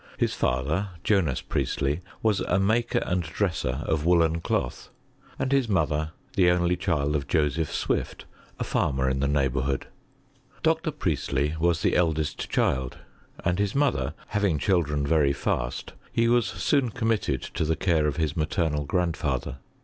His father, Jonas Priestley, was a maker and dresser of wool len cloth, and his mother, the only child of Joseph Swift a farmer in the neighbourhood. Dr. Priest ley was the eldest child; and, his mother having children very fast, he was soon committed to the care of his maternal grandfather.